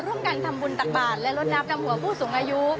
ร่วมกันทำบุญตักบาทและลดน้ำดำหัวผู้สูงอายุ